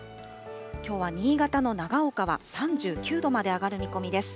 きょうは新潟の長岡は３９度まで上がる見込みです。